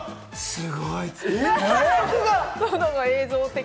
すごい！